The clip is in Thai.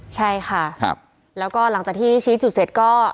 ใช่ค่ะแล้วก็หลังจากที่ชี้จุดเสร็จก็